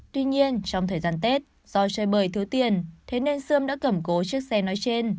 tuy nhiên trong thời gian tết do chơi bời thiếu tiền thế nên sươm đã cầm cố chiếc xe nói trên